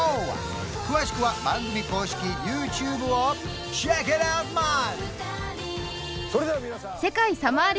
詳しくは番組公式ＹｏｕＴｕｂｅをｃｈｅｃｋｉｔｏｕｔｍａｎ！